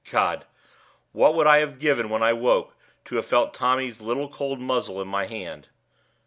God! what I would have given when I woke to have felt Tommy's little cold muzzle in my hand!